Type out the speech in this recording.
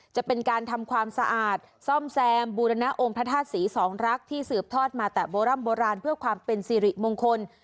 จะเป็นการทำความสะอาดซ่อมแซมบูรณองค์พระธาตุศรีสองรักที่สืบทอดมาแต่โบร่ำโบราณเพื่อความเป็นสิริมงคล